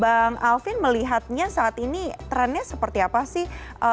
kalau bang alfie melihatnya saat ini trendnya seperti apa sih